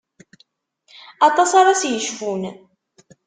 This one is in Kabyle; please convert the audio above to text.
Aṭas ara s-yecfun.